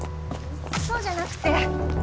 そうじゃなくて。